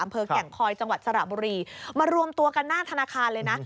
แก่งคอยจังหวัดสระบุรีมารวมตัวกันหน้าธนาคารเลยนะ